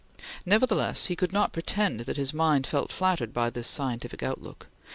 Nevertheless, he could not pretend that his mind felt flattered by this scientific outlook.